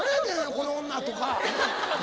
この女」とか。